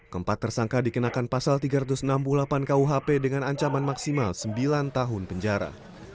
keempat tersangka dikenakan pasal tiga ratus enam puluh delapan kuhp dengan ancaman maksimal sembilan tahun penjara